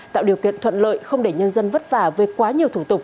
tạo điều kiện thuận lợi không để nhân dân vất vả về quá nhiều thủ tục